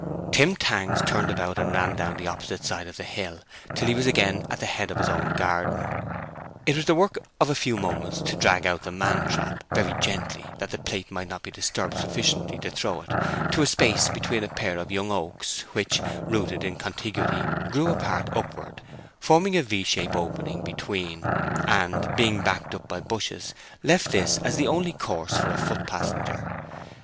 Tim Tangs turned about, and ran down the opposite side of the hill, till he was again at the head of his own garden. It was the work of a few moments to drag out the man trap, very gently—that the plate might not be disturbed sufficiently to throw it—to a space between a pair of young oaks which, rooted in contiguity, grew apart upward, forming a V shaped opening between; and, being backed up by bushes, left this as the only course for a foot passenger.